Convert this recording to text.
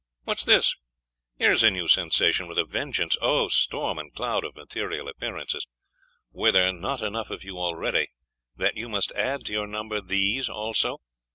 'What's this? Here is a new sensation with a vengeance! O storm and cloud of material appearances, were there not enough of you already, that you must add to your number these also?